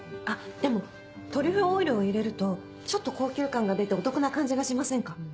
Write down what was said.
あっでもトリュフオイルを入れるとちょっと高級感が出てお得な感じがしませんか？